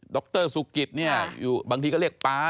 ก็ไม่รู้ว่าฟ้าจะระแวงพอพานหรือเปล่า